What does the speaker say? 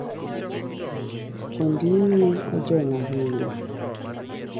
Ondingi ojony ahinya?